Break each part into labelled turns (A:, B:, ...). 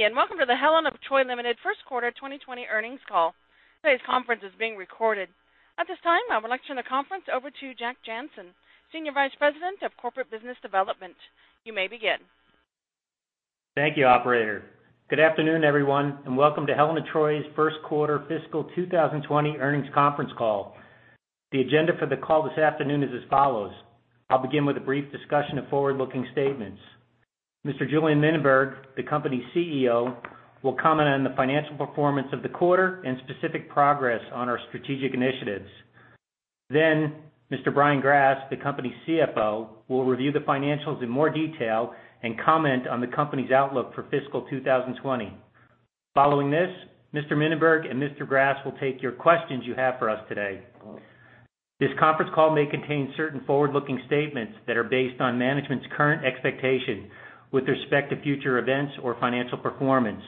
A: Good day, and welcome to the Helen of Troy Limited first quarter 2020 earnings call. Today's conference is being recorded. At this time, I would like to turn the conference over to Jack Jancin, Senior Vice President of Corporate Business Development. You may begin.
B: Thank you, operator. Good afternoon, everyone, and welcome to Helen of Troy's first quarter fiscal 2020 earnings conference call. The agenda for the call this afternoon is as follows. I'll begin with a brief discussion of forward-looking statements. Mr. Julien Mininberg, the company's CEO, will comment on the financial performance of the quarter and specific progress on our strategic initiatives. Mr. Brian Grass, the company's CFO, will review the financials in more detail and comment on the company's outlook for fiscal 2020. Following this, Mr. Mininberg and Mr. Grass will take your questions you have for us today. This conference call may contain certain forward-looking statements that are based on management's current expectation with respect to future events or financial performance.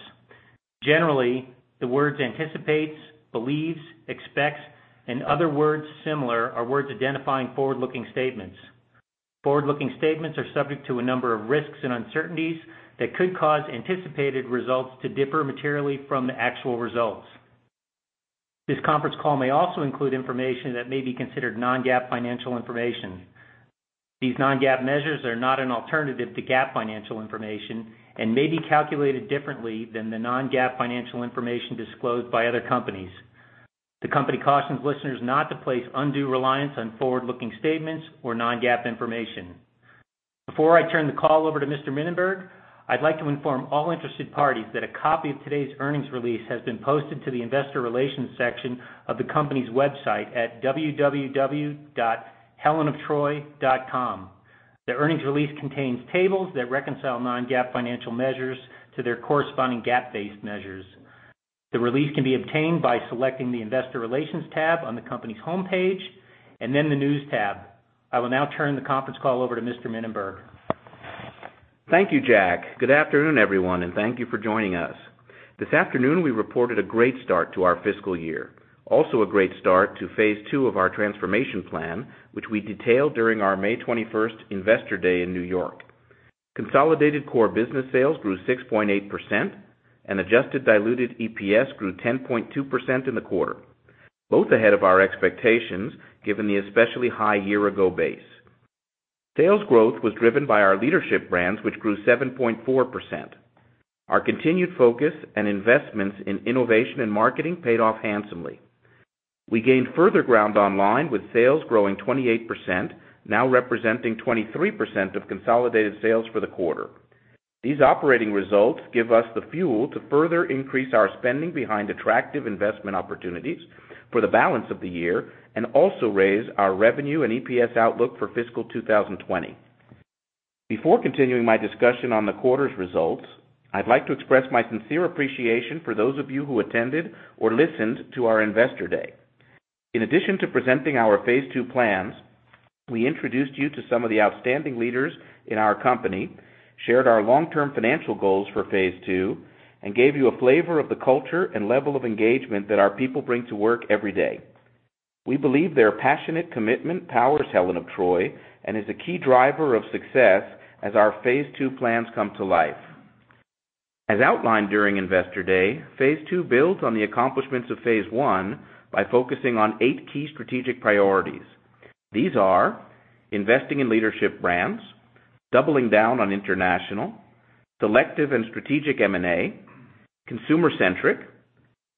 B: Generally, the words anticipates, believes, expects, and other words similar are words identifying forward-looking statements. Forward-looking statements are subject to a number of risks and uncertainties that could cause anticipated results to differ materially from the actual results. This conference call may also include information that may be considered non-GAAP financial information. These non-GAAP measures are not an alternative to GAAP financial information and may be calculated differently than the non-GAAP financial information disclosed by other companies. The company cautions listeners not to place undue reliance on forward-looking statements or non-GAAP information. Before I turn the call over to Mr. Mininberg, I'd like to inform all interested parties that a copy of today's earnings release has been posted to the investor relations section of the company's website at www.helenoftroy.com. The earnings release contains tables that reconcile non-GAAP financial measures to their corresponding GAAP-based measures. The release can be obtained by selecting the investor relations tab on the company's homepage, the news tab. I will now turn the conference call over to Mr. Mininberg.
C: Thank you, Jack. Good afternoon, everyone, and thank you for joining us. This afternoon, we reported a great start to our fiscal year. Also a great start to phase two of our transformation plan, which we detailed during our May 21st investor day in New York. Consolidated core business sales grew 6.8%, and adjusted diluted EPS grew 10.2% in the quarter, both ahead of our expectations given the especially high year-ago base. Sales growth was driven by our leadership brands, which grew 7.4%. Our continued focus and investments in innovation and marketing paid off handsomely. We gained further ground online, with sales growing 28%, now representing 23% of consolidated sales for the quarter. These operating results give us the fuel to further increase our spending behind attractive investment opportunities for the balance of the year and also raise our revenue and EPS outlook for fiscal 2020. Before continuing my discussion on the quarter's results, I'd like to express my sincere appreciation for those of you who attended or listened to our investor day. In addition to presenting our phase two plans, we introduced you to some of the outstanding leaders in our company, shared our long-term financial goals for phase two, and gave you a flavor of the culture and level of engagement that our people bring to work every day. We believe their passionate commitment powers Helen of Troy and is a key driver of success as our phase two plans come to life. As outlined during Investor Day, phase two builds on the accomplishments of phase one by focusing on eight key strategic priorities. These are investing in leadership brands, doubling down on international, selective and strategic M&A, consumer-centric,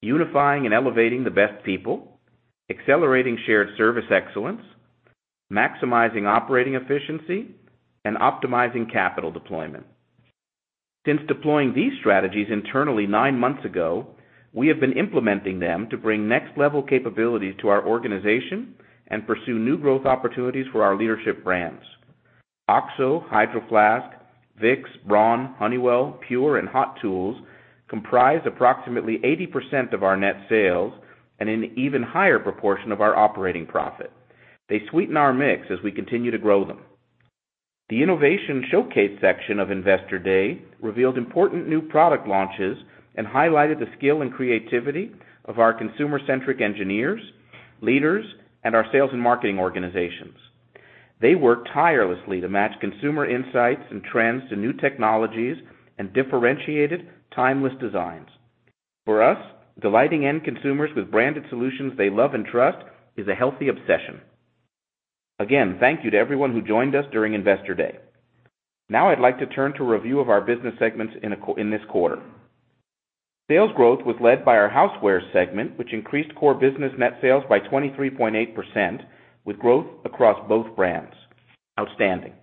C: unifying and elevating the best people, accelerating shared service excellence, maximizing operating efficiency, and optimizing capital deployment. Since deploying these strategies internally nine months ago, we have been implementing them to bring next-level capabilities to our organization and pursue new growth opportunities for our leadership brands. OXO, Hydro Flask, Vicks, Braun, Honeywell, PUR, and Hot Tools comprise approximately 80% of our net sales and an even higher proportion of our operating profit. They sweeten our mix as we continue to grow them. The innovation showcase section of Investor Day revealed important new product launches and highlighted the skill and creativity of our consumer-centric engineers, leaders, and our sales and marketing organizations. They work tirelessly to match consumer insights and trends to new technologies and differentiated, timeless designs. For us, delighting end consumers with branded solutions they love and trust is a healthy obsession. Again, thank you to everyone who joined us during Investor Day. Now I'd like to turn to a review of our business segments in this quarter. Sales growth was led by our housewares segment, which increased core business net sales by 23.8%, with growth across both brands. Outstanding.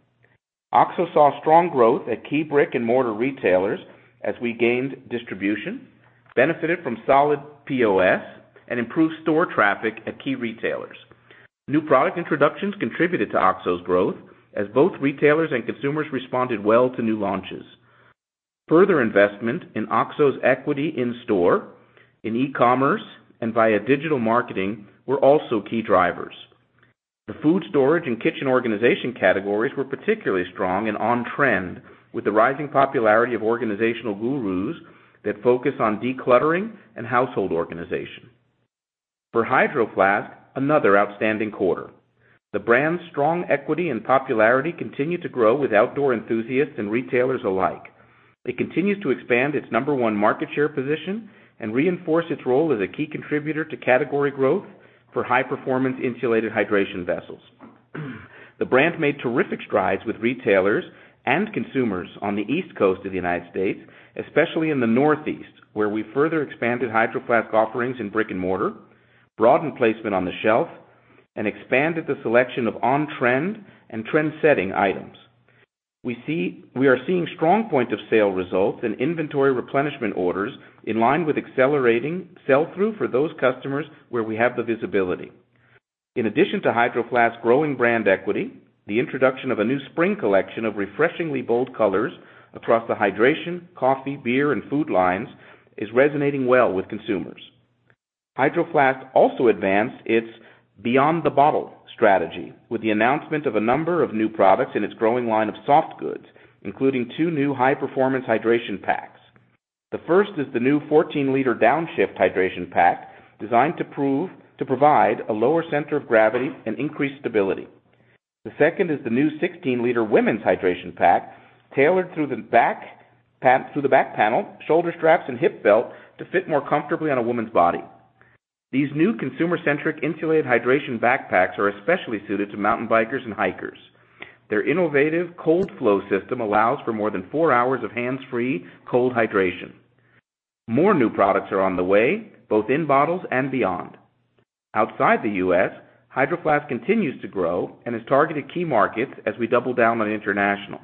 C: OXO saw strong growth at key brick-and-mortar retailers as we gained distribution, benefited from solid POS, and improved store traffic at key retailers. New product introductions contributed to OXO's growth as both retailers and consumers responded well to new launches. Further investment in OXO's equity in store, in e-commerce, and via digital marketing were also key drivers. The food storage and kitchen organization categories were particularly strong and on-trend with the rising popularity of organizational gurus that focus on decluttering and household organization. For Hydro Flask, another outstanding quarter. The brand's strong equity and popularity continue to grow with outdoor enthusiasts and retailers alike. It continues to expand its number one market share position and reinforce its role as a key contributor to category growth for high-performance insulated hydration vessels. The brand made terrific strides with retailers and consumers on the East Coast of the U.S., especially in the Northeast, where we further expanded Hydro Flask offerings in brick and mortar, broadened placement on the shelf, and expanded the selection of on-trend and trend-setting items. We are seeing strong point of sale results and inventory replenishment orders in line with accelerating sell-through for those customers where we have the visibility. In addition to Hydro Flask growing brand equity, the introduction of a new spring collection of refreshingly bold colors across the hydration, coffee, beer, and food lines is resonating well with consumers. Hydro Flask also advanced its Beyond the Bottle strategy with the announcement of a number of new products in its growing line of soft goods, including two new high-performance hydration packs. The first is the new 14-liter Down Shift hydration pack, designed to provide a lower center of gravity and increased stability. The second is the new 16-liter women's hydration pack, tailored through the back panel, shoulder straps, and hip belt to fit more comfortably on a woman's body. These new consumer-centric insulated hydration backpacks are especially suited to mountain bikers and hikers. Their innovative cold flow system allows for more than four hours of hands-free cold hydration. More new products are on the way, both in bottles and beyond. Outside the U.S., Hydro Flask continues to grow and has targeted key markets as we double down on international.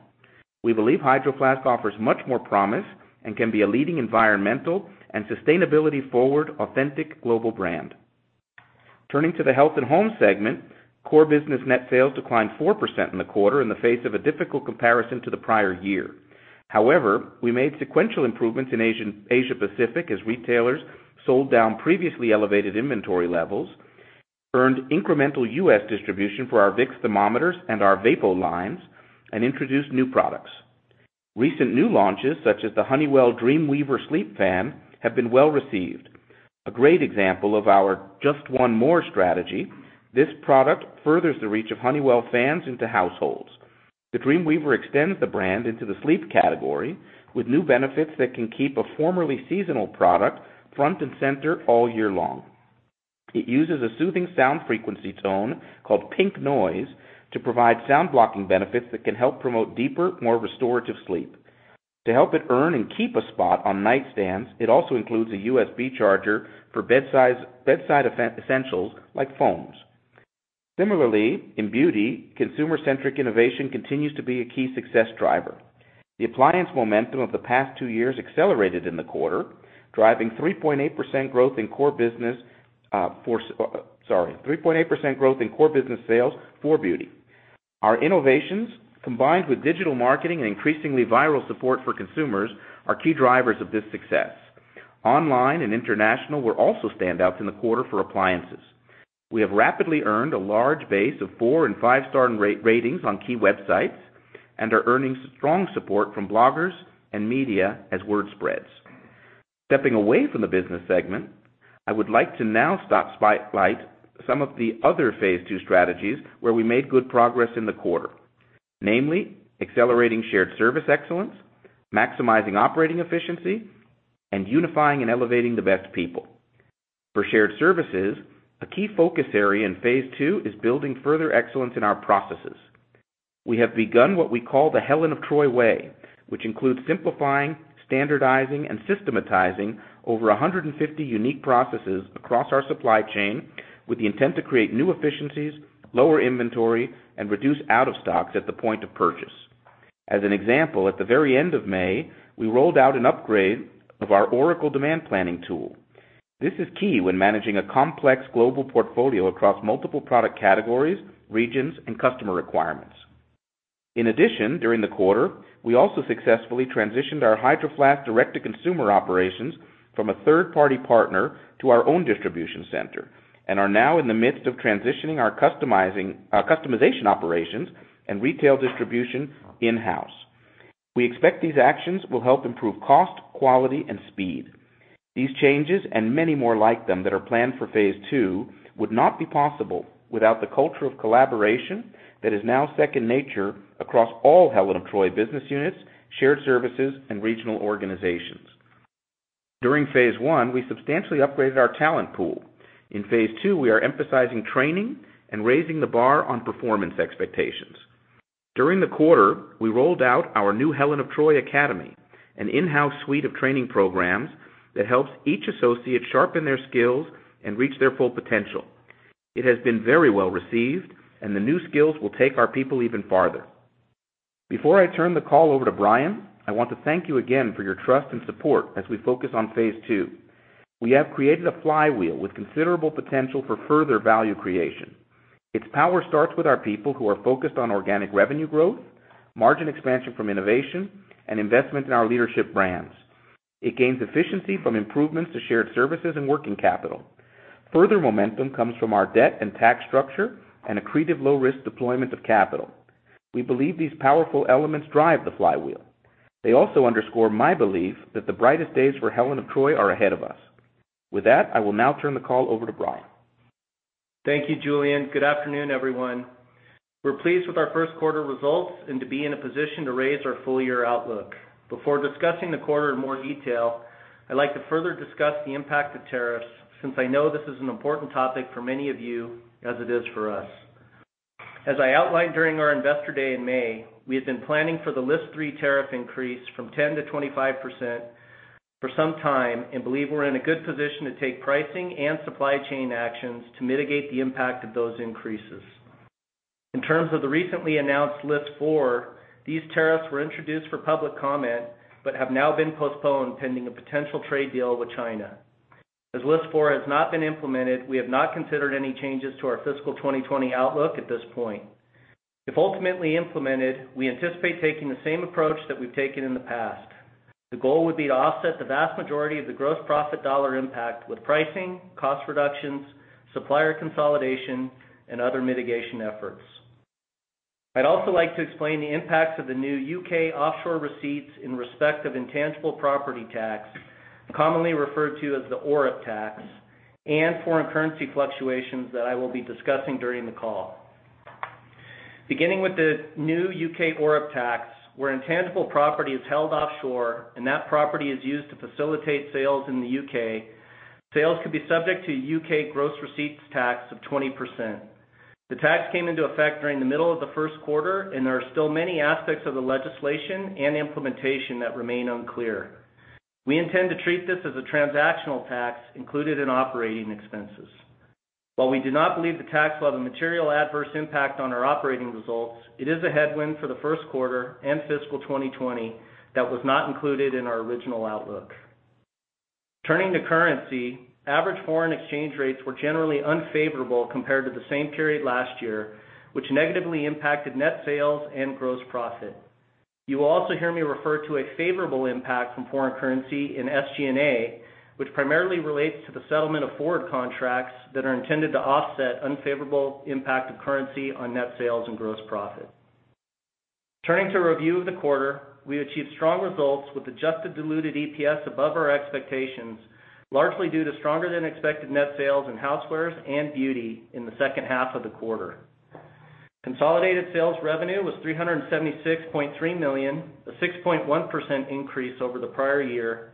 C: We believe Hydro Flask offers much more promise and can be a leading environmental and sustainability-forward authentic global brand. Turning to the Health and Home segment, core business net sales declined 4% in the quarter in the face of a difficult comparison to the prior year. However, we made sequential improvements in Asia Pacific as retailers sold down previously elevated inventory levels, earned incremental U.S. distribution for our Vicks thermometers and our Vapo lines, and introduced new products. Recent new launches, such as the Honeywell DreamWeaver Sleep Fan, have been well-received. A great example of our Just One More strategy, this product furthers the reach of Honeywell fans into households. The DreamWeaver extends the brand into the sleep category with new benefits that can keep a formerly seasonal product front and center all year long. It uses a soothing sound frequency tone called pink noise to provide sound blocking benefits that can help promote deeper, more restorative sleep. To help it earn and keep a spot on nightstands, it also includes a USB charger for bedside essentials like phones. Similarly, in Beauty, consumer-centric innovation continues to be a key success driver. The appliance momentum of the past two years accelerated in the quarter, driving 3.8% growth in core business sales for Beauty. Our innovations, combined with digital marketing and increasingly viral support for consumers, are key drivers of this success. Online and international were also standouts in the quarter for appliances. We have rapidly earned a large base of four and five-star ratings on key websites and are earning strong support from bloggers and media as word spreads. Stepping away from the business segment, I would like to now spotlight some of the other Phase 2 strategies where we made good progress in the quarter. Namely, accelerating shared service excellence, maximizing operating efficiency, and unifying and elevating the best people. For shared services, a key focus area in Phase 2 is building further excellence in our processes. We have begun what we call the Helen of Troy Way, which includes simplifying, standardizing, and systematizing over 150 unique processes across our supply chain with the intent to create new efficiencies, lower inventory, and reduce out of stocks at the point of purchase. As an example, at the very end of May, we rolled out an upgrade of our Oracle demand planning tool. This is key when managing a complex global portfolio across multiple product categories, regions, and customer requirements. In addition, during the quarter, we also successfully transitioned our Hydro Flask direct-to-consumer operations from a third-party partner to our own distribution center and are now in the midst of transitioning our customization operations and retail distribution in-house. We expect these actions will help improve cost, quality, and speed. These changes, and many more like them that are planned for Phase 2, would not be possible without the culture of collaboration that is now second nature across all Helen of Troy business units, shared services, and regional organizations. During Phase 1, we substantially upgraded our talent pool. In Phase 2, we are emphasizing training and raising the bar on performance expectations. During the quarter, we rolled out our new Helen of Troy Academy, an in-house suite of training programs that helps each associate sharpen their skills and reach their full potential. It has been very well received, and the new skills will take our people even farther. Before I turn the call over to Brian, I want to thank you again for your trust and support as we focus on Phase 2. We have created a flywheel with considerable potential for further value creation. Its power starts with our people who are focused on organic revenue growth, margin expansion from innovation, and investment in our leadership brands. It gains efficiency from improvements to shared services and working capital. Further momentum comes from our debt and tax structure and accretive low-risk deployment of capital. We believe these powerful elements drive the flywheel. They also underscore my belief that the brightest days for Helen of Troy are ahead of us. With that, I will now turn the call over to Brian.
D: Thank you, Julien. Good afternoon, everyone. We're pleased with our first quarter results and to be in a position to raise our full-year outlook. Before discussing the quarter in more detail, I'd like to further discuss the impact of tariffs, since I know this is an important topic for many of you, as it is for us. As I outlined during our investor day in May, we have been planning for the List 3 tariff increase from 10% to 25% for some time and believe we're in a good position to take pricing and supply chain actions to mitigate the impact of those increases. In terms of the recently announced List 4, these tariffs were introduced for public comment but have now been postponed pending a potential trade deal with China. As List 4 has not been implemented, we have not considered any changes to our fiscal 2020 outlook at this point. If ultimately implemented, we anticipate taking the same approach that we've taken in the past. The goal would be to offset the vast majority of the gross profit dollar impact with pricing, cost reductions, supplier consolidation, and other mitigation efforts. I'd also like to explain the impacts of the new U.K. Offshore Receipts in respect of Intangible Property tax, commonly referred to as the ORIP tax, and foreign currency fluctuations that I will be discussing during the call. Beginning with the new U.K. ORIP tax, where intangible property is held offshore and that property is used to facilitate sales in the U.K., sales could be subject to U.K. gross receipts tax of 20%. The tax came into effect during the middle of the first quarter, and there are still many aspects of the legislation and implementation that remain unclear. We intend to treat this as a transactional tax included in operating expenses. While we do not believe the tax will have a material adverse impact on our operating results, it is a headwind for the first quarter and fiscal 2020 that was not included in our original outlook. Turning to currency, average foreign exchange rates were generally unfavorable compared to the same period last year, which negatively impacted net sales and gross profit. You will also hear me refer to a favorable impact from foreign currency in SG&A, which primarily relates to the settlement of forward contracts that are intended to offset unfavorable impact of currency on net sales and gross profit. Turning to a review of the quarter, we achieved strong results with adjusted diluted EPS above our expectations, largely due to stronger-than-expected net sales in housewares and beauty in the second half of the quarter. Consolidated sales revenue was $376.3 million, a 6.1% increase over the prior year,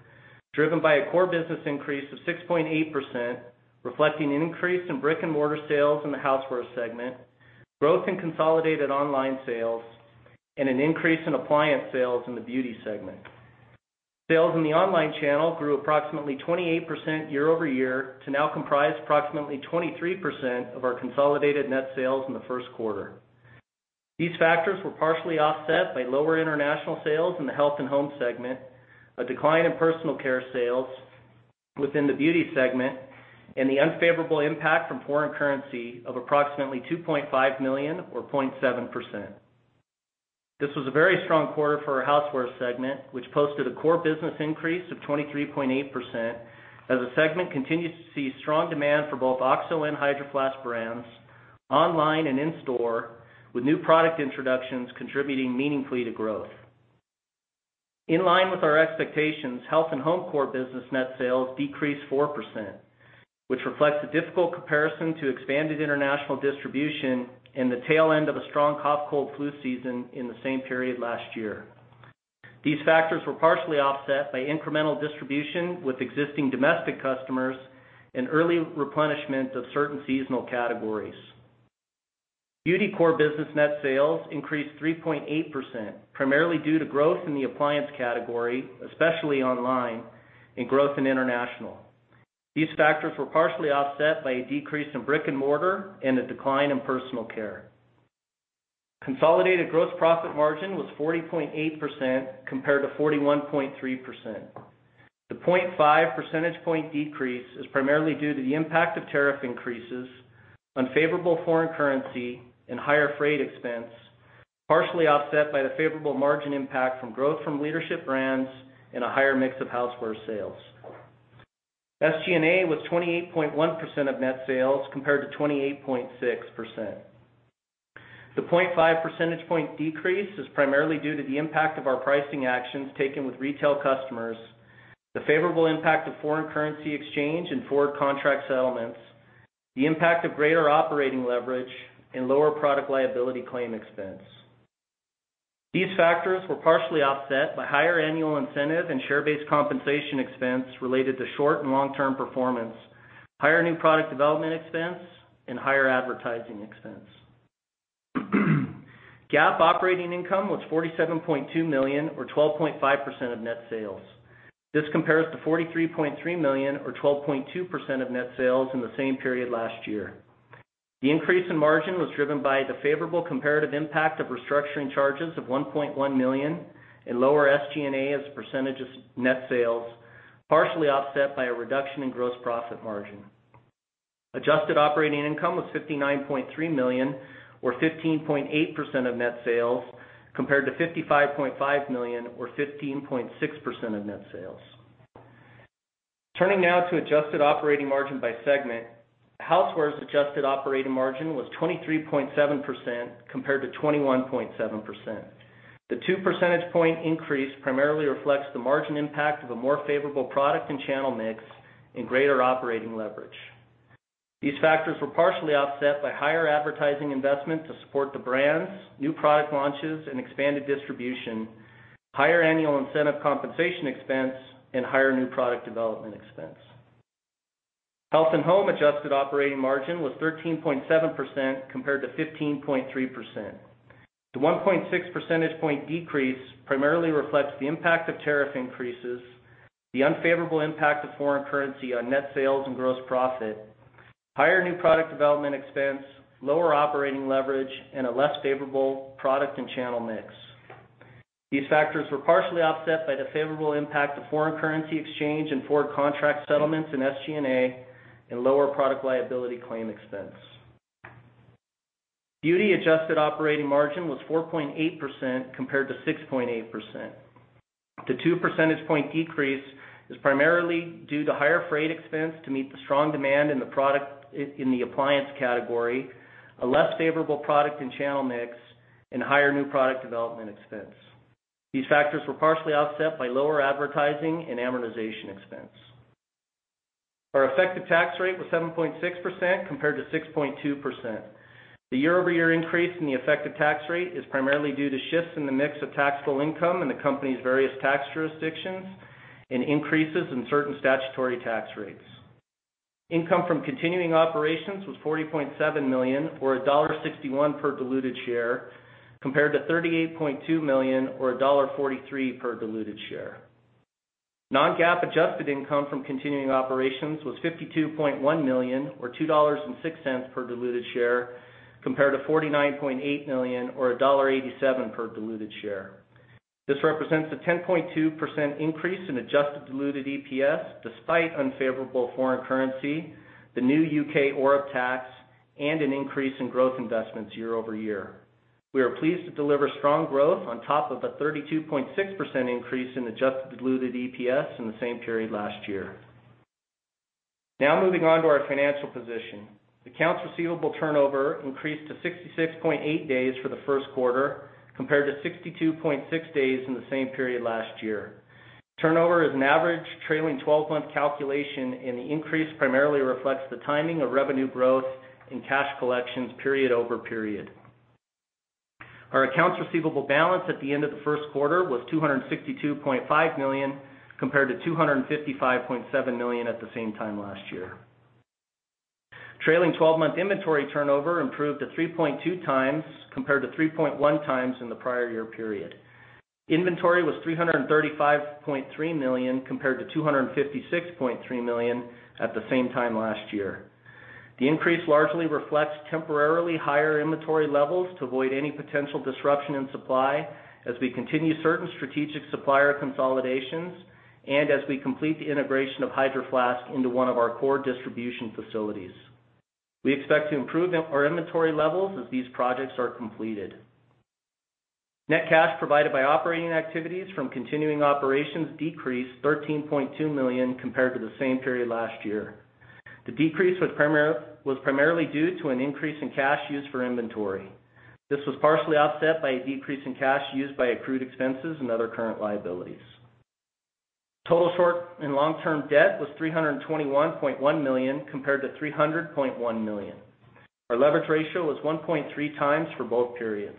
D: driven by a core business increase of 6.8%, reflecting an increase in brick-and-mortar sales in the housewares segment, growth in consolidated online sales, and an increase in appliance sales in the beauty segment. Sales in the online channel grew approximately 28% year-over-year to now comprise approximately 23% of our consolidated net sales in the first quarter. These factors were partially offset by lower international sales in the health and home segment, a decline in personal care sales within the beauty segment, and the unfavorable impact from foreign currency of approximately $2.5 million or 0.7%. This was a very strong quarter for our Housewares segment, which posted a core business increase of 23.8% as the segment continues to see strong demand for both OXO and Hydro Flask brands online and in-store, with new product introductions contributing meaningfully to growth. In line with our expectations, Health and Home core business net sales decreased 4%, which reflects a difficult comparison to expanded international distribution and the tail end of a strong cough, cold, flu season in the same period last year. These factors were partially offset by incremental distribution with existing domestic customers and early replenishment of certain seasonal categories. Beauty core business net sales increased 3.8%, primarily due to growth in the appliance category, especially online, and growth in international. These factors were partially offset by a decrease in brick-and-mortar and a decline in personal care. Consolidated gross profit margin was 40.8% compared to 41.3%. The 0.5 percentage point decrease is primarily due to the impact of tariff increases, unfavorable foreign currency, and higher freight expense, partially offset by the favorable margin impact from growth from leadership brands and a higher mix of housewares sales. SG&A was 28.1% of net sales compared to 28.6%. The 0.5 percentage point decrease is primarily due to the impact of our pricing actions taken with retail customers, the favorable impact of foreign currency exchange and forward contract settlements, the impact of greater operating leverage, and lower product liability claim expense. These factors were partially offset by higher annual incentive and share-based compensation expense related to short and long-term performance, higher new product development expense, and higher advertising expense. GAAP operating income was $47.2 million or 12.5% of net sales. This compares to $43.3 million or 12.2% of net sales in the same period last year. The increase in margin was driven by the favorable comparative impact of restructuring charges of $1.1 million and lower SG&A as a percentage of net sales, partially offset by a reduction in gross profit margin. Adjusted operating income was $59.3 million or 15.8% of net sales, compared to $55.5 million or 15.6% of net sales. Turning now to adjusted operating margin by segment. Housewares adjusted operating margin was 23.7% compared to 21.7%. The 2 percentage point increase primarily reflects the margin impact of a more favorable product and channel mix and greater operating leverage. These factors were partially offset by higher advertising investment to support the brands, new product launches, and expanded distribution, higher annual incentive compensation expense, and higher new product development expense. Health and Home adjusted operating margin was 13.7% compared to 15.3%. The 1.6 percentage point decrease primarily reflects the impact of tariff increases, the unfavorable impact of foreign currency on net sales and gross profit, higher new product development expense, lower operating leverage, and a less favorable product and channel mix. These factors were partially offset by the favorable impact of foreign currency exchange and foreign contract settlements in SG&A and lower product liability claim expense. Beauty adjusted operating margin was 4.8% compared to 6.8%. The 2 percentage point decrease is primarily due to higher freight expense to meet the strong demand in the appliance category, a less favorable product and channel mix, and higher new product development expense. These factors were partially offset by lower advertising and amortization expense. Our effective tax rate was 7.6% compared to 6.2%. The year-over-year increase in the effective tax rate is primarily due to shifts in the mix of taxable income in the company's various tax jurisdictions and increases in certain statutory tax rates. Income from continuing operations was $40.7 million or $1.61 per diluted share, compared to $38.2 million or $1.43 per diluted share. Non-GAAP adjusted income from continuing operations was $52.1 million or $2.06 per diluted share, compared to $49.8 million or $1.87 per diluted share. This represents a 10.2% increase in adjusted diluted EPS despite unfavorable foreign currency, the new U.K. ORIP tax, and an increase in growth investments year-over-year. We are pleased to deliver strong growth on top of a 32.6% increase in adjusted diluted EPS in the same period last year. Now moving on to our financial position. Accounts receivable turnover increased to 66.8 days for the first quarter, compared to 62.6 days in the same period last year. Turnover is an average trailing 12-month calculation, and the increase primarily reflects the timing of revenue growth and cash collections period over period. Our accounts receivable balance at the end of the first quarter was $262.5 million, compared to $255.7 million at the same time last year. Trailing 12-month inventory turnover improved to 3.2 times, compared to 3.1 times in the prior year period. Inventory was $335.3 million compared to $256.3 million at the same time last year. The increase largely reflects temporarily higher inventory levels to avoid any potential disruption in supply as we continue certain strategic supplier consolidations and as we complete the integration of Hydro Flask into one of our core distribution facilities. We expect to improve our inventory levels as these projects are completed. Net cash provided by operating activities from continuing operations decreased $13.2 million compared to the same period last year. The decrease was primarily due to an increase in cash used for inventory. This was partially offset by a decrease in cash used by accrued expenses and other current liabilities. Total short and long-term debt was $321.1 million, compared to $300.1 million. Our leverage ratio was 1.3 times for both periods.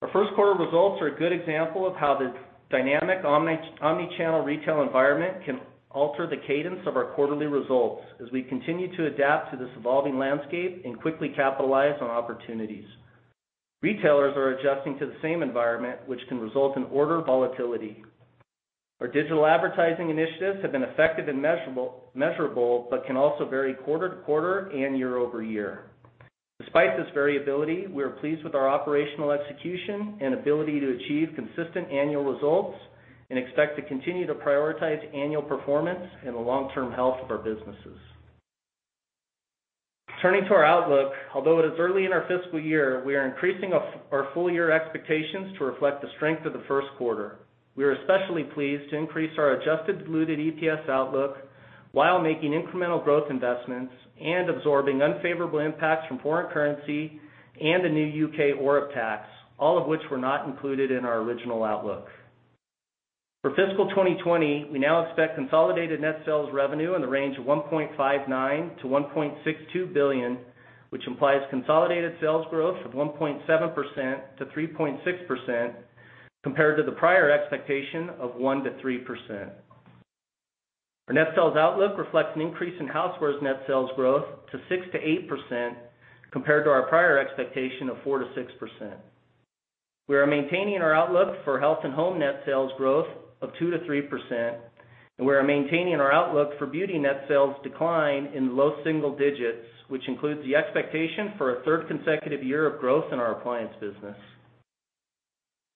D: Our first quarter results are a good example of how the dynamic omni-channel retail environment can alter the cadence of our quarterly results as we continue to adapt to this evolving landscape and quickly capitalize on opportunities. Retailers are adjusting to the same environment, which can result in order volatility. Our digital advertising initiatives have been effective and measurable, but can also vary quarter to quarter and year-to-year. Despite this variability, we are pleased with our operational execution and ability to achieve consistent annual results and expect to continue to prioritize annual performance and the long-term health of our businesses. Turning to our outlook. Although it is early in our fiscal year, we are increasing our full-year expectations to reflect the strength of the first quarter. We are especially pleased to increase our adjusted diluted EPS outlook while making incremental growth investments and absorbing unfavorable impacts from foreign currency and the new U.K. ORIP tax, all of which were not included in our original outlook. For fiscal 2020, we now expect consolidated net sales revenue in the range of $1.59 billion-$1.62 billion, which implies consolidated sales growth of 1.7%-3.6% compared to the prior expectation of 1%-3%. Our net sales outlook reflects an increase in Housewares net sales growth to 6%-8%, compared to our prior expectation of 4%-6%. We are maintaining our outlook for Health & Home net sales growth of 2%-3%, and we are maintaining our outlook for Beauty net sales decline in low single digits, which includes the expectation for a third consecutive year of growth in our appliance business.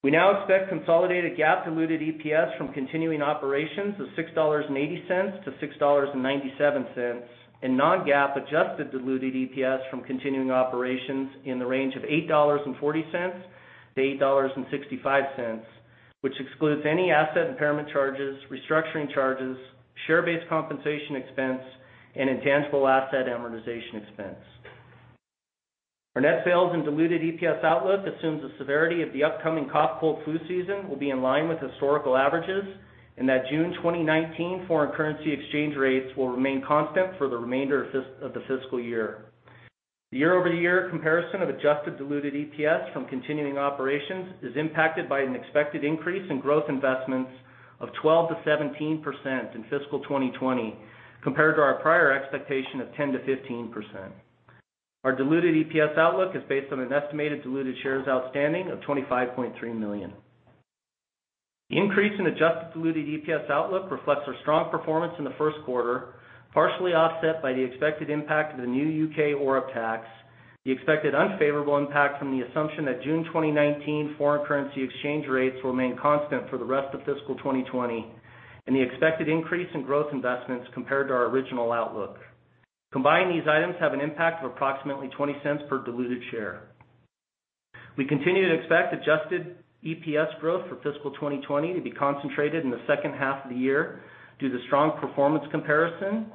D: We now expect consolidated GAAP diluted EPS from continuing operations of $6.80 to $6.97, and non-GAAP adjusted diluted EPS from continuing operations in the range of $8.40 to $8.65, which excludes any asset impairment charges, restructuring charges, share-based compensation expense, and intangible asset amortization expense. Our net sales and diluted EPS outlook assumes the severity of the upcoming cough, cold, flu season will be in line with historical averages, and that June 2019 foreign currency exchange rates will remain constant for the remainder of the fiscal year. The year-over-year comparison of adjusted diluted EPS from continuing operations is impacted by an expected increase in growth investments of 12%-17% in fiscal 2020, compared to our prior expectation of 10%-15%. Our diluted EPS outlook is based on an estimated diluted shares outstanding of 25.3 million. The increase in adjusted diluted EPS outlook reflects our strong performance in the first quarter, partially offset by the expected impact of the new U.K. ORIP tax, the expected unfavorable impact from the assumption that June 2019 foreign currency exchange rates remain constant for the rest of fiscal 2020, and the expected increase in growth investments compared to our original outlook. Combined, these items have an impact of approximately $0.20 per diluted share. We continue to expect adjusted EPS growth for fiscal 2020 to be concentrated in the second half of the year due to strong performance comparison and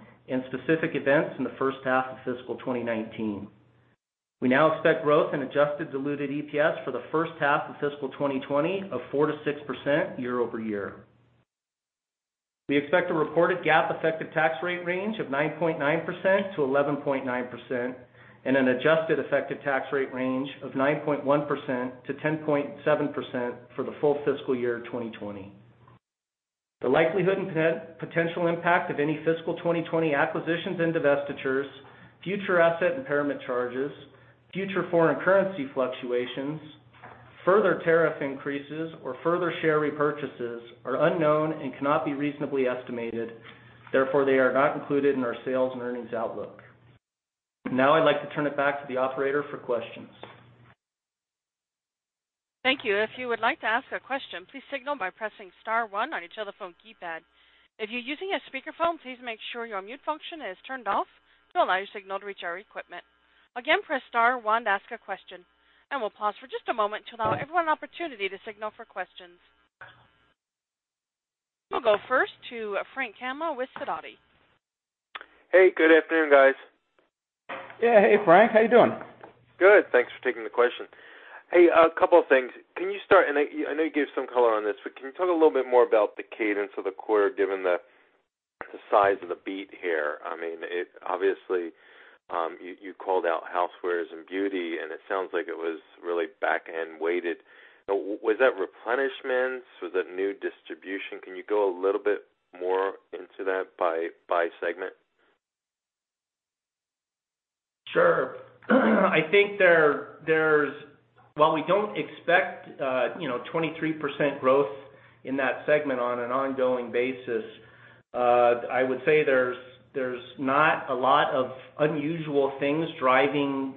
D: specific events in the first half of fiscal 2019. We now expect growth in adjusted diluted EPS for the first half of fiscal 2020 of 4%-6% year-over-year. We expect a reported GAAP effective tax rate range of 9.9%-11.9% and an adjusted effective tax rate range of 9.1%-10.7% for the full fiscal year 2020. The likelihood and potential impact of any fiscal 2020 acquisitions and divestitures, future asset impairment charges, future foreign currency fluctuations, further tariff increases, or further share repurchases are unknown and cannot be reasonably estimated. They are not included in our sales and earnings outlook. I'd like to turn it back to the operator for questions.
A: Thank you. If you would like to ask a question, please signal by pressing star one on your telephone keypad. If you're using a speakerphone, please make sure your mute function is turned off to allow your signal to reach our equipment. Again, press star one to ask a question. We'll pause for just a moment to allow everyone an opportunity to signal for questions. We'll go first to Frank Camma with Sidoti.
E: Hey, good afternoon, guys.
D: Yeah. Hey, Frank. How you doing?
E: Good. Thanks for taking the question. Hey, a couple of things. Can you start, and I know you gave some color on this, but can you talk a little bit more about the cadence of the quarter, given the size of the beat here? Obviously, you called out housewares and beauty, and it sounds like it was really back-end weighted. Was that replenishments? Was that new distribution? Can you go a little bit more into that by segment?
D: Sure. While we don't expect 23% growth in that segment on an ongoing basis, I would say there's not a lot of unusual things driving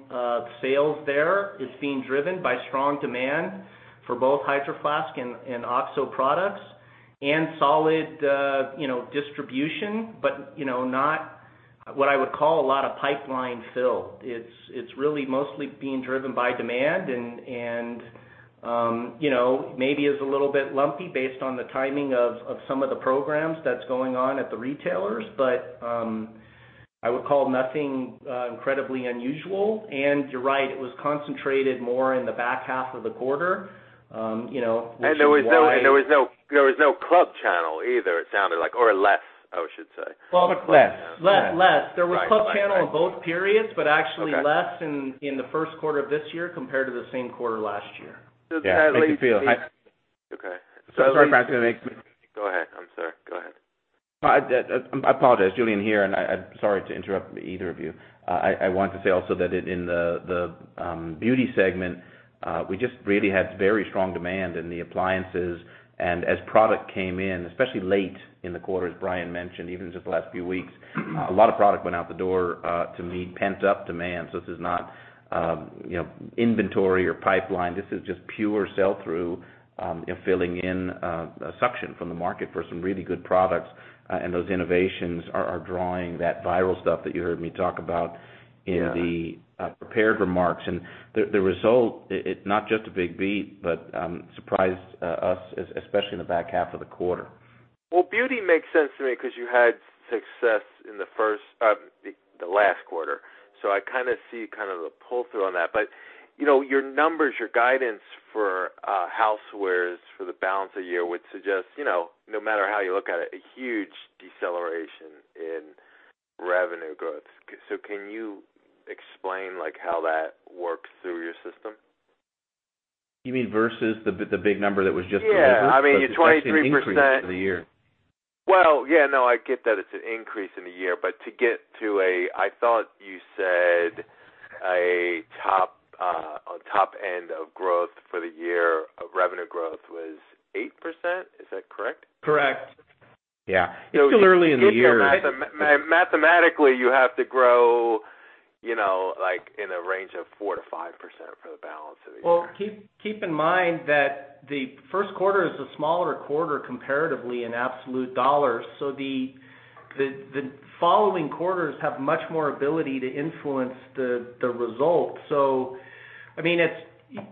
D: sales there. It's being driven by strong demand for both Hydro Flask and OXO products and solid distribution, but not what I would call a lot of pipeline fill. It's really mostly being driven by demand and maybe is a little bit lumpy based on the timing of some of the programs that's going on at the retailers. I would call nothing incredibly unusual. You're right, it was concentrated more in the back half of the quarter, which is why-
E: There was no club channel either, it sounded like, or less, I should say.
C: Well- Less, yeah
D: less.
E: Right.
D: There was club channel in both periods-
E: Okay
D: Actually less in the first quarter of this year compared to the same quarter last year.
A: Cat. Okay. Go ahead. I'm sorry. Go ahead.
C: No, I apologize. Julien here, I'm sorry to interrupt either of you. I want to say also that in the beauty segment, we just really had very strong demand in the appliances. As product came in, especially late in the quarter, as Brian mentioned, even just the last few weeks, a lot of product went out the door to meet pent-up demand. This is not inventory or pipeline. This is just pure sell-through, filling in a suction from the market for some really good products, and those innovations are drawing that viral stuff that you heard me talk about.
E: Yeah
C: in the prepared remarks. The result, it's not just a big beat, but surprised us, especially in the back half of the quarter.
E: Well, beauty makes sense to me because you had success in the last quarter. I kind of see the pull-through on that. Your numbers, your guidance for housewares for the balance of the year would suggest, no matter how you look at it, a huge deceleration in revenue growth. Can you explain how that works through your system?
D: You mean versus the big number that was just delivered?
E: Yeah. Your 23%.
D: It's actually an increase for the year.
E: Well, yeah, no, I get that it's an increase in the year, to get to a I thought you said a top end of growth for the year of revenue growth was 8%, is that correct?
D: Correct.
C: Yeah. It's still early in the year.
E: Mathematically, you have to grow in a range of 4%-5% for the balance of the year.
D: Well, keep in mind that the first quarter is a smaller quarter comparatively in absolute dollars. The following quarters have much more ability to influence the result. I mean,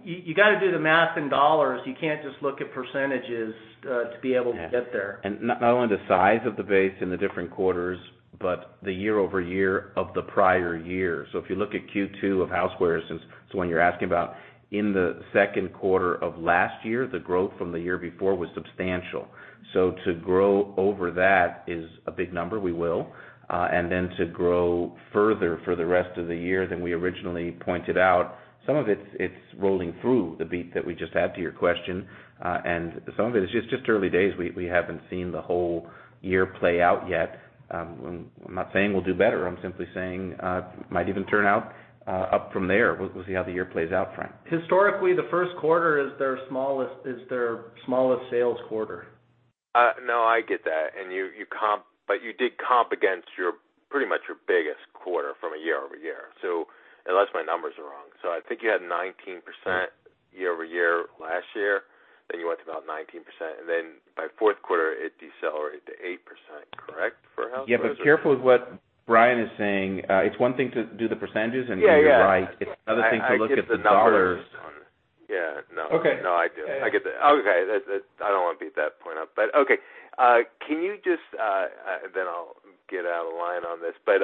D: you got to do the math in dollars. You can't just look at percentages to be able to get there.
C: Not only the size of the base in the different quarters, but the year-over-year of the prior year. If you look at Q2 of Housewares, since it's the one you're asking about, in the second quarter of last year, the growth from the year before was substantial. To grow over that is a big number. We will. Then to grow further for the rest of the year than we originally pointed out, some of it's rolling through the beat that we just had to your question, and some of it is just early days. We haven't seen the whole year play out yet. I'm not saying we'll do better. I'm simply saying, it might even turn out up from there. We'll see how the year plays out, Frank.
D: Historically, the first quarter is their smallest sales quarter.
E: No, I get that. You did comp against pretty much your biggest quarter from a year-over-year, unless my numbers are wrong. I think you had 19% year-over-year last year, then you went to about 19%, and then by fourth quarter, it decelerated to 8%, correct, for Housewares?
C: Yeah, careful with what Brian is saying. It's one thing to do the percentages, you're right.
E: Yeah.
C: It's another thing to look at the dollars.
E: I get the numbers on Yeah. No, I do.
C: Okay.
E: I get that. Okay. I don't want to beat that point up, okay. I'll get out of line on this, but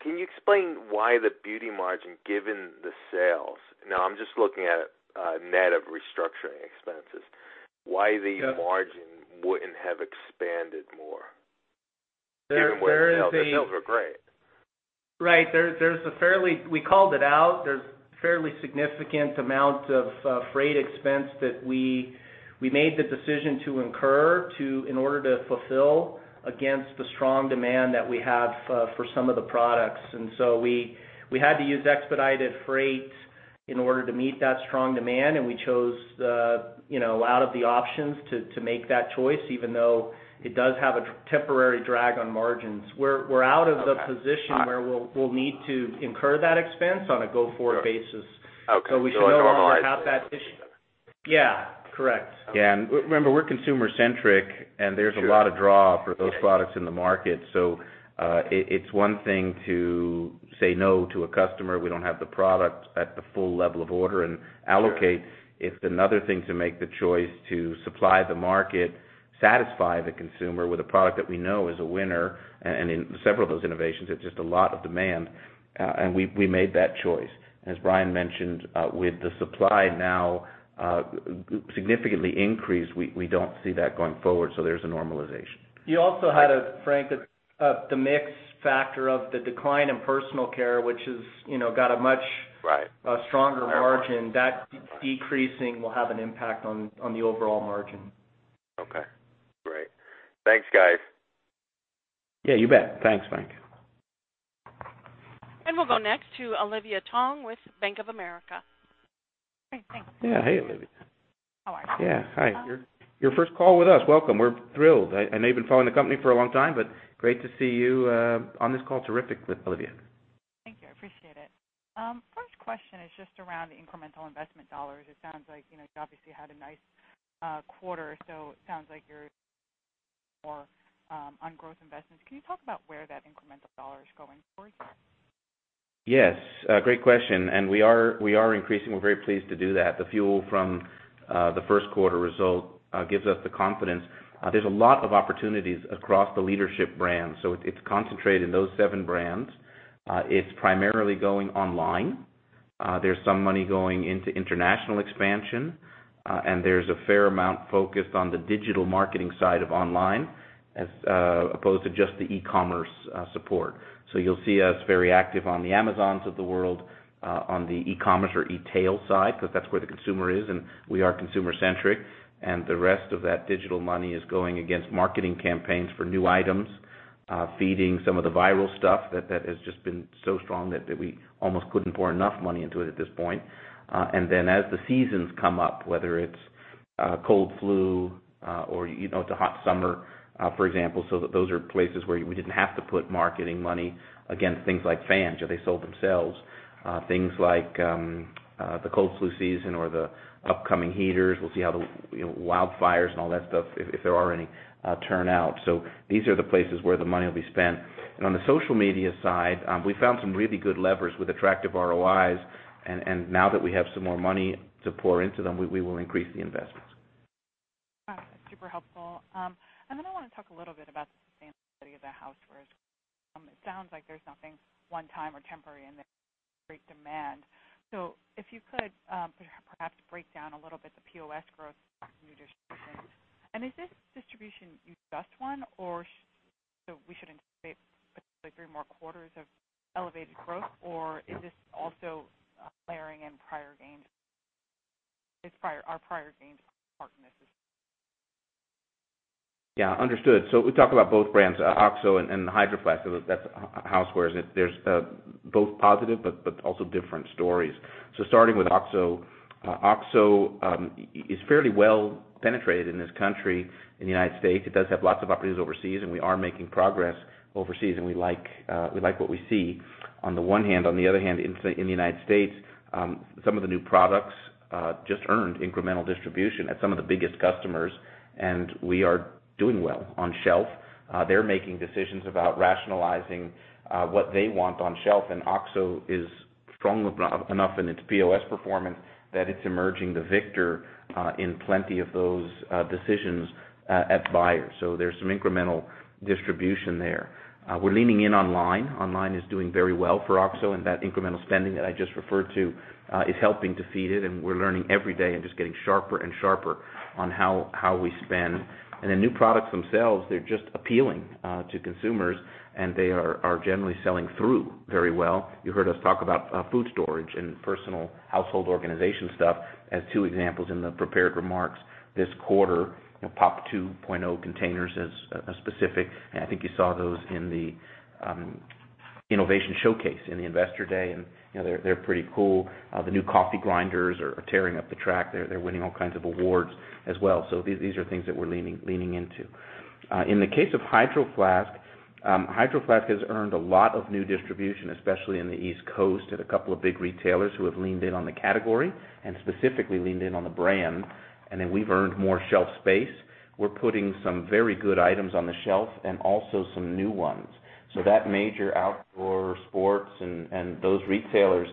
E: can you explain why the Beauty margin, given the sales, now I'm just looking at net of restructuring expenses, why the margin wouldn't have expanded more?
D: There is a-
E: Given where the sales are. The sales are great.
D: Right. We called it out. There's fairly significant amount of freight expense that we made the decision to incur in order to fulfill against the strong demand that we have for some of the products. So we had to use expedited freight in order to meet that strong demand, and we chose out of the options to make that choice, even though it does have a temporary drag on margins. We're out of the position where we'll need to incur that expense on a go-forward basis.
E: Okay.
D: We should no longer have that issue.
E: It normalizes.
D: Yeah. Correct.
C: Yeah. Remember, we're consumer centric, and there's a lot of draw for those products in the market. It's one thing to say no to a customer, we don't have the product at the full level of order and allocate. It's another thing to make the choice to supply the market, satisfy the consumer with a product that we know is a winner. In several of those innovations, it's just a lot of demand, and we made that choice. As Brian mentioned, with the supply now significantly increased, we don't see that going forward, so there's a normalization.
D: You also had, Frank, the mix factor of the decline in personal care, which has got a much-
E: Right
D: stronger margin. That decreasing will have an impact on the overall margin.
E: Okay. Great. Thanks, guys.
C: Yeah, you bet. Thanks, Frank.
A: We'll go next to Olivia Tong with Bank of America.
C: Yeah. Hey, Olivia.
F: How are you?
C: Yeah. Hi. Your first call with us. Welcome. We're thrilled. I know you've been following the company for a long time, but great to see you on this call. Terrific with Olivia.
F: Thank you. I appreciate it. First question is just around the incremental investment dollars. It sounds like you obviously had a nice quarter, it sounds like you're more on growth investments. Can you talk about where that incremental dollar is going for you?
C: Yes. Great question. We are increasing. We're very pleased to do that. The fuel from the first quarter result gives us the confidence. There's a lot of opportunities across the leadership brands, it's concentrated in those seven brands. It's primarily going online. There's some money going into international expansion, there's a fair amount focused on the digital marketing side of online as opposed to just the e-commerce support. You'll see us very active on the Amazons of the world, on the e-commerce or e-tail side, because that's where the consumer is, we are consumer centric. The rest of that digital money is going against marketing campaigns for new items, feeding some of the viral stuff that has just been so strong that we almost couldn't pour enough money into it at this point. As the seasons come up, whether it's cold, flu, or the hot summer, for example. Those are places where we didn't have to put marketing money against things like fans. They sold themselves. Things like the cold, flu season or the upcoming heaters. We'll see how the wildfires and all that stuff, if there are any, turn out. These are the places where the money will be spent. On the social media side, we found some really good levers with attractive ROIs, now that we have some more money to pour into them, we will increase the investments.
F: Got it. Super helpful. I want to talk a little bit about the sustainability of the Housewares. It sounds like there's nothing one time or temporary in there, great demand. If you could, perhaps break down a little bit the POS growth, new distributions. Is this distribution you just one or, we should anticipate three more quarters of elevated growth or is this also layering in prior gains? Our prior gains partners.
C: Understood. We talk about both brands, OXO and Hydro Flask. That's Housewares. There's both positive but also different stories. Starting with OXO is fairly well penetrated in this country, in the U.S. It does have lots of opportunities overseas, and we are making progress overseas, and we like what we see on the one hand. On the other hand, in the U.S., some of the new products just earned incremental distribution at some of the biggest customers, and we are doing well on shelf. They're making decisions about rationalizing what they want on shelf, and OXO is strong enough in its POS performance that it's emerging the victor in plenty of those decisions at buyers. There's some incremental distribution there. We're leaning in online. Online is doing very well for OXO, and that incremental spending that I just referred to is helping to feed it, and we're learning every day and just getting sharper and sharper on how we spend. The new products themselves, they're just appealing to consumers, and they are generally selling through very well. You heard us talk about food storage and personal household organization stuff as two examples in the prepared remarks this quarter. POP 2.0 containers as a specific, and I think you saw those in the innovation showcase in the investor day, and they're pretty cool. The new coffee grinders are tearing up the track. They're winning all kinds of awards as well. These are things that we're leaning into. In the case of Hydro Flask, Hydro Flask has earned a lot of new distribution, especially in the East Coast, at a couple of big retailers who have leaned in on the category and specifically leaned in on the brand. We've earned more shelf space. We're putting some very good items on the shelf and also some new ones. That major outdoor sports and those retailers,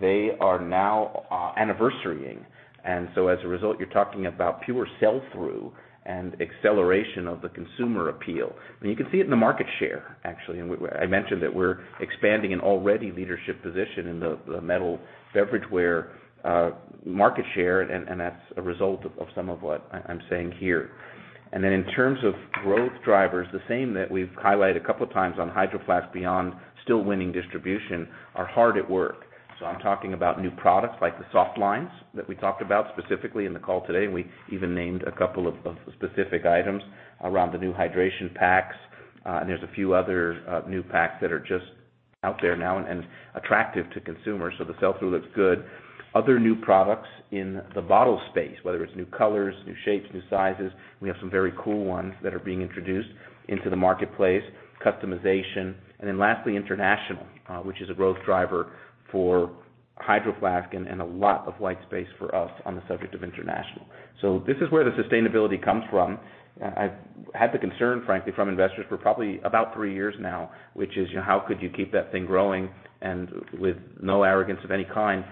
C: they are now anniversaring, and as a result, you're talking about pure sell-through and acceleration of the consumer appeal. You can see it in the market share, actually. I mentioned that we're expanding an already leadership position in the metal beverage ware market share, and that's a result of some of what I'm saying here. In terms of growth drivers, the same that we've highlighted a couple of times on Hydro Flask beyond still winning distribution are hard at work. I'm talking about new products like the soft lines that we talked about specifically in the call today, and we even named a couple of specific items around the new hydration packs. There's a few other new packs that are just out there now and attractive to consumers, the sell-through looks good. Other new products in the bottle space, whether it's new colors, new shapes, new sizes, we have some very cool ones that are being introduced into the marketplace, customization. Lastly, international, which is a growth driver for Hydro Flask and a lot of white space for us on the subject of international. This is where the sustainability comes from. I've had the concern, frankly, from investors for probably about three years now, which is, how could you keep that thing growing and with no arrogance of any kind?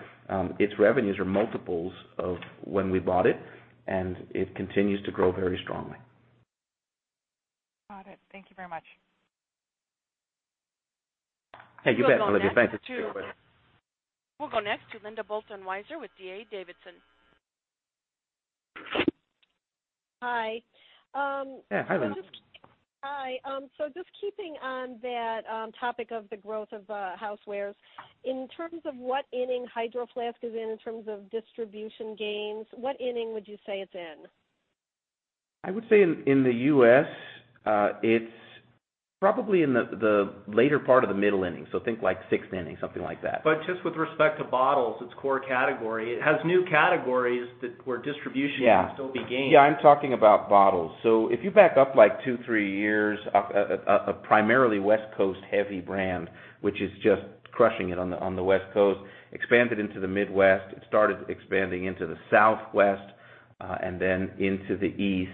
C: Its revenues are multiples of when we bought it, and it continues to grow very strongly.
F: Got it. Thank you very much.
C: Hey, you bet, Olivia. Thanks.
A: We'll go next to Linda Bolton-Weiser with D.A. Davidson.
G: Hi.
C: Hi, Linda.
G: Hi. Just keeping on that topic of the growth of housewares. In terms of what inning Hydro Flask is in terms of distribution gains, what inning would you say it's in?
C: I would say in the U.S., it's probably in the later part of the middle inning, think like sixth inning, something like that.
D: Just with respect to bottles, its core category, it has new categories that where distribution.
C: Yeah
D: can still be gained.
C: Yeah, I'm talking about bottles. If you back up like two, three years, a primarily West Coast heavy brand, which is just crushing it on the West Coast, expanded into the Midwest. It started expanding into the Southwest, and then into the East.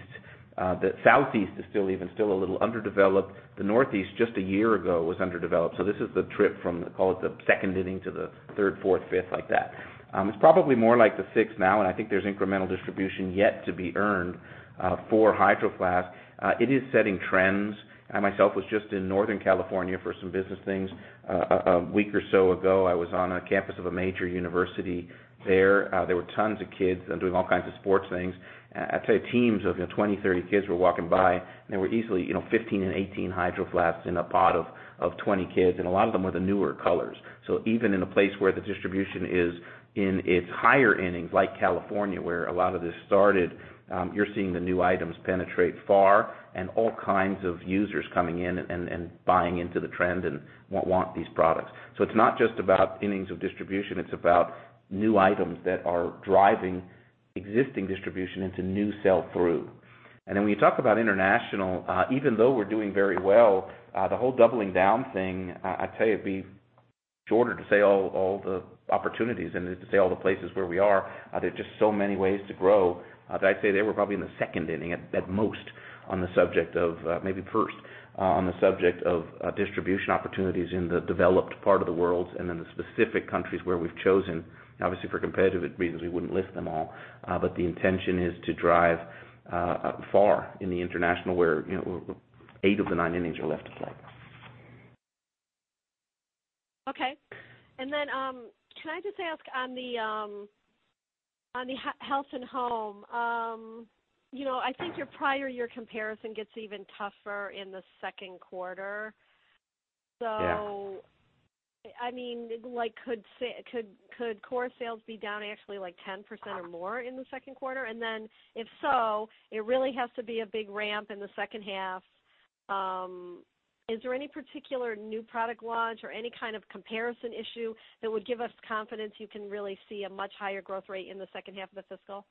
C: The Southeast is still even still a little underdeveloped. The Northeast, just a year ago, was underdeveloped. This is the trip from, call it, the second inning to the third, fourth, fifth, like that. It's probably more like the sixth now, and I think there's incremental distribution yet to be earned for Hydro Flask. It is setting trends. I, myself, was just in Northern California for some business things a week or so ago. I was on a campus of a major university there. There were tons of kids doing all kinds of sports things. I'd say teams of 20, 30 kids were walking by. There were easily 15 and 18 Hydro Flasks in a pod of 20 kids, and a lot of them were the newer colors. Even in a place where the distribution is in its higher innings, like California, where a lot of this started, you're seeing the new items penetrate far and all kinds of users coming in and buying into the trend and want these products. When you talk about international, even though we're doing very well, the whole doubling down thing, I tell you, it'd be shorter to say all the opportunities and to say all the places where we are. There's just so many ways to grow that I'd say they were probably in the second inning at most on the subject of, maybe first, on the subject of distribution opportunities in the developed part of the world and in the specific countries where we've chosen. Obviously, for competitive reasons, we wouldn't list them all. The intention is to drive far in the international, where eight of the nine innings are left to play.
G: Okay. Can I just ask on the Health and Home. I think your prior year comparison gets even tougher in the second quarter.
C: Yeah.
G: Could core sales be down actually like 10% or more in the second quarter? If so, it really has to be a big ramp in the second half. Is there any particular new product launch or any kind of comparison issue that would give us confidence you can really see a much higher growth rate in the second half of the fiscal?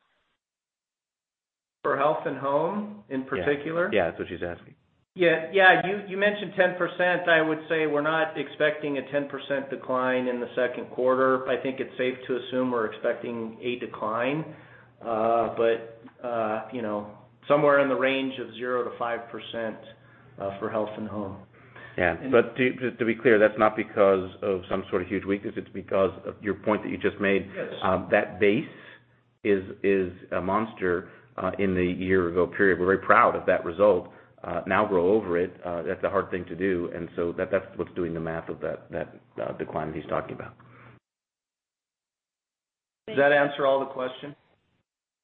D: For Health and Home in particular?
C: Yeah. That's what she's asking.
D: Yeah. You mentioned 10%. I would say we're not expecting a 10% decline in the second quarter. I think it's safe to assume we're expecting a decline. Somewhere in the range of 0% to 5%. For Health and Home.
C: Yeah. To be clear, that's not because of some sort of huge weakness, it's because of your point that you just made.
D: Yes.
C: That base is a monster in the year-ago period. We're very proud of that result. Now grow over it, that's a hard thing to do. That's what's doing the math of the decline that he's talking about.
D: Does that answer all the question?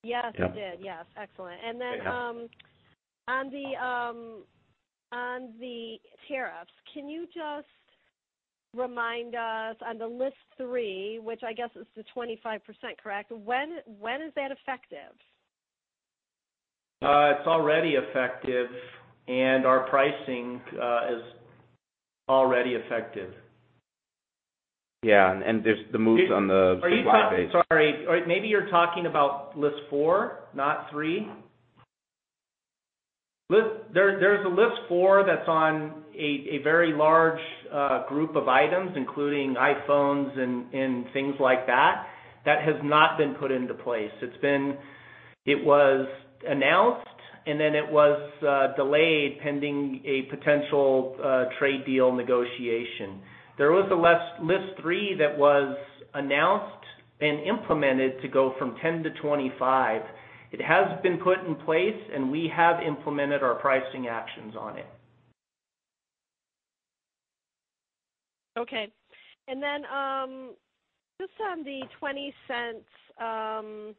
G: Yes, it did. Yes, excellent. Then on the tariffs, can you just remind us on the List 3, which I guess is the 25%, correct? When is that effective?
D: It's already effective, and our pricing is already effective.
C: Yeah, there's the moves on the fly basis.
D: Sorry. Maybe you're talking about List 4, not 3. There's a List 4 that's on a very large group of items, including iPhones and things like that has not been put into place. It was announced, and then it was delayed pending a potential trade deal negotiation. There was a List 3 that was announced and implemented to go from 10 to 25. It has been put in place, and we have implemented our pricing actions on it.
G: Okay. Just on the $0.20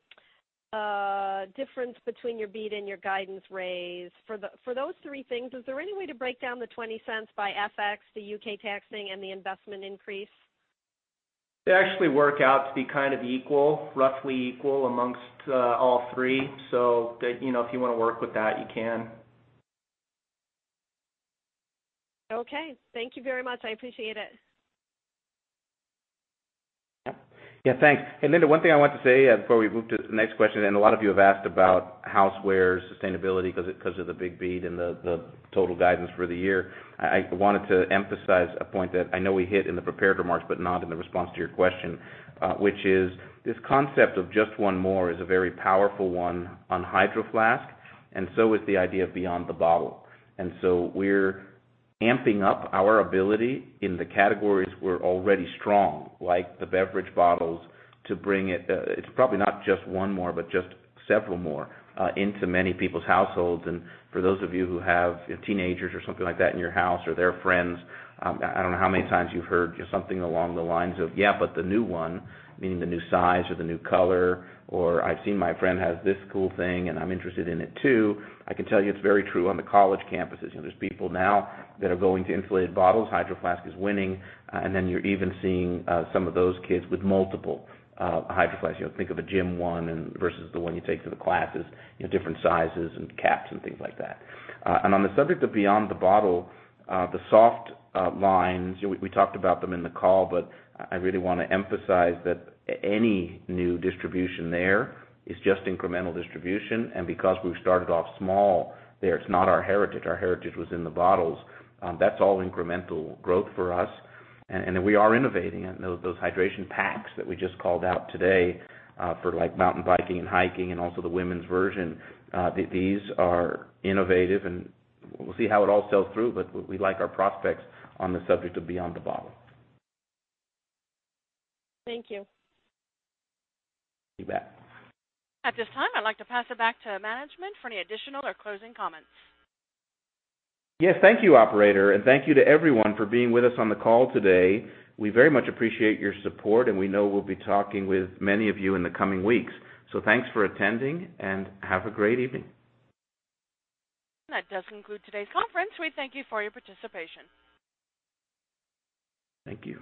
G: difference between your beat and your guidance raise. For those three things, is there any way to break down the $0.20 by FX, the U.K. taxing, and the investment increase?
D: They actually work out to be kind of equal, roughly equal amongst all three. If you want to work with that, you can.
G: Okay. Thank you very much. I appreciate it.
C: Yeah. Thanks. Linda, one thing I wanted to say before we move to the next question, a lot of you have asked about housewares, sustainability, because of the big beat and the total guidance for the year. I wanted to emphasize a point that I know we hit in the prepared remarks, but not in the response to your question, which is this concept of Just One More is a very powerful one on Hydro Flask, and so is the idea of Beyond the Bottle. We're amping up our ability in the categories we're already strong, like the beverage bottles, to bring it. It's probably not just one more, but just several more into many people's households. For those of you who have teenagers or something like that in your house, or their friends, I don't know how many times you've heard something along the lines of, "Yeah, but the new one," meaning the new size or the new color, or, "I've seen my friend has this cool thing, and I'm interested in it too." I can tell you it's very true on the college campuses. There's people now that are going to insulated bottles, Hydro Flask is winning, then you're even seeing some of those kids with multiple Hydro Flask. Think of a gym one versus the one you take to the classes, different sizes and caps and things like that. On the subject of Beyond the Bottle, the soft lines, we talked about them in the call, but I really want to emphasize that any new distribution there is just incremental distribution. Because we've started off small there, it's not our heritage. Our heritage was in the bottles. That's all incremental growth for us. We are innovating and those hydration packs that we just called out today for mountain biking and hiking and also the women's version, these are innovative and we'll see how it all sells through, but we like our prospects on the subject of Beyond the Bottle.
G: Thank you.
C: You bet.
A: At this time, I'd like to pass it back to management for any additional or closing comments.
C: Yes. Thank you, operator. Thank you to everyone for being with us on the call today. We very much appreciate your support, and we know we'll be talking with many of you in the coming weeks. Thanks for attending, and have a great evening.
A: That does conclude today's conference. We thank you for your participation.
C: Thank you.